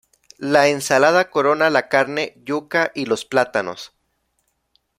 La ensalada corona la carne, yuca y los plátanos.